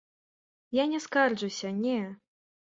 Я не скарджуся, не.